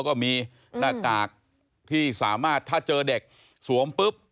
ก็มีหน้ากากที่สามารถถ้าเจอเด็กสวมปุ๊บ